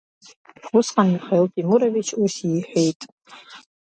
Усҟан Михаил Темурович ус иҳәеит…